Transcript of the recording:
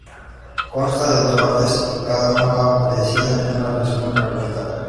Consta de dos partes y cada una va precedida de un resumen argumental.